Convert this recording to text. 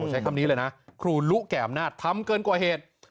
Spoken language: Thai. ใช้คำนี้เลยนะครูลุแก่อำนาจทำเกินกว่าเหตุ